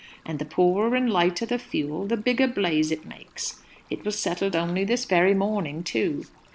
And the poorer and lighter the fuel, the bigger blaze it makes. It was settled only this very morning, too."